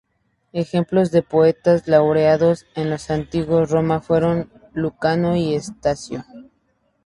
Ejemplos de poetas laureados en la Antigua Roma fueron Lucano y Estacio.